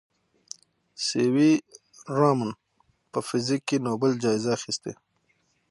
سي وي رامن په فزیک کې نوبل جایزه اخیستې.